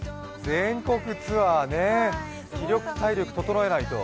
全国ツアーね、気力・体力整えないと。